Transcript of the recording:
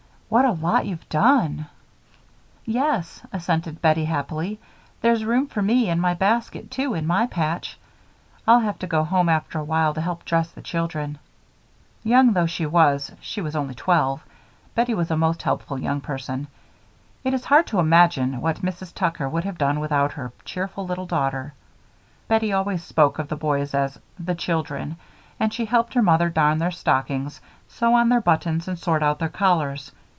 What a lot you've done!" "Yes," assented Bettie, happily. "There's room for me and my basket, too, in my patch. I'll have to go home after a while to help dress the children." Young though she was she was only twelve Bettie was a most helpful young person. It is hard to imagine what Mrs. Tucker would have done without her cheerful little daughter. Bettie always spoke of the boys as "the children," and she helped her mother darn their stockings, sew on their buttons, and sort out their collars.